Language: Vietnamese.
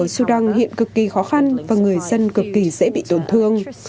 ở sudan hiện cực kỳ khó khăn và người dân cực kỳ dễ bị tổn thương